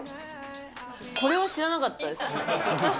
これは知らなかったですね。